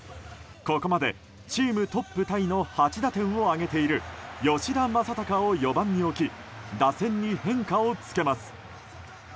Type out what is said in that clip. ここまでチームトップタイの８打点を挙げている吉田正尚を４番に置き打線に変化をつけます。